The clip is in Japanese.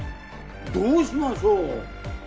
どうしましょう